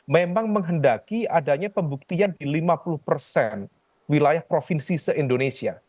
memang menghendaki adanya pembuktian di lima puluh persen wilayah provinsi se indonesia